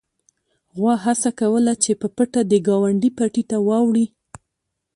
غوا هڅه کوله چې په پټه د ګاونډي پټي ته واوړي.